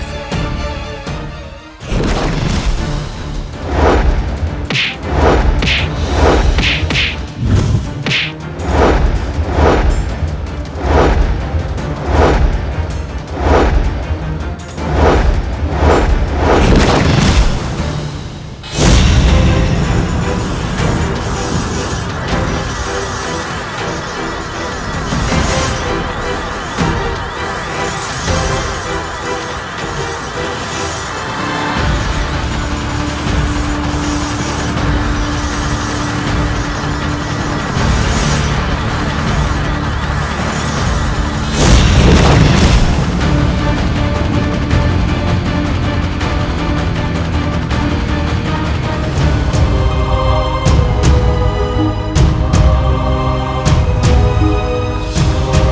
sampai jumpa lagi